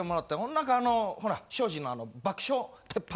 何かあのほら庄司の爆笑鉄板